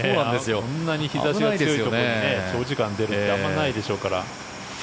こんなに日差しが強いところに長時間出るってあまりないでしょうから。